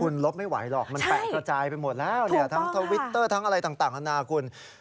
คุณลบไม่ไหวหรอกมันแปะกระจายไปหมดแล้วเนี่ยทั้งทวิตเตอร์ทั้งอะไรต่างนานาคุณ